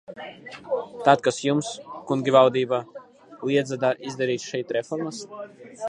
Tad kas jums, kungi valdībā, liedza izdarīt šeit reformas?